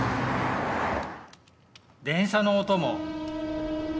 電車の音も。